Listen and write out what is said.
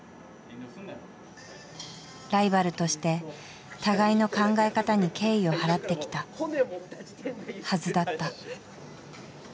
ライバルとして互いの考え方に敬意を払ってきたはずだった。